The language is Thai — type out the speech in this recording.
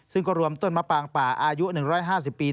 ซึ่งก็รวมต้นมะปางป่าอายุ๑๕๐ปี